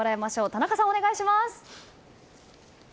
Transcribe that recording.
田中さんお願いします。